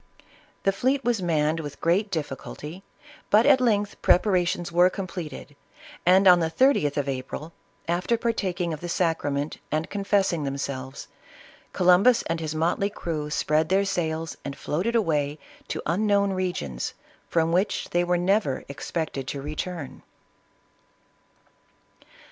The fleet was manned with great difficulty, but at length preparations were completed, and, on the 30th of April, after partaking of the sacrament 'and confess ing themselves, Columbus and his motley crew, spread their sails and floated away to unknown regions, from which they were never expected to return.